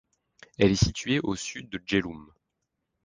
Elle est située au sud de Jhelum.